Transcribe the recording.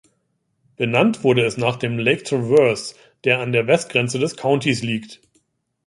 Benannt wurde es nach dem Lake Traverse, der an der Westgrenze des Countys liegt.